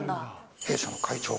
弊社の会長が。